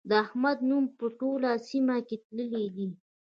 د احمد نوم په ټوله سيمه کې تللی دی.